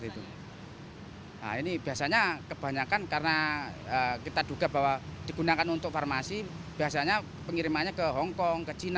nah ini biasanya kebanyakan karena kita duga bahwa digunakan untuk farmasi biasanya pengirimannya ke hongkong ke china